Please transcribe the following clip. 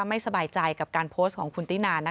ไม่สบายใจกับการโพสต์ของคุณตินา